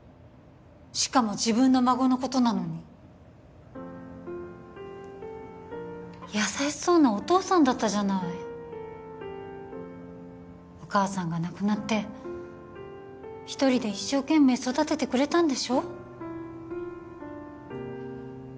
しかも自分の孫のことなのに優しそうなお父さんだったじゃないお母さんが亡くなって一人で一生懸命育ててくれたんでしょ？